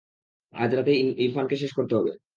আজ রাতেই ইরফানকে শেষ করতে হবে।